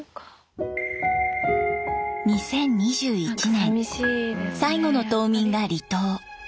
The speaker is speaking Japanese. ２０２１年最後の島民が離島。